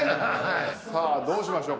さあどうしましょう？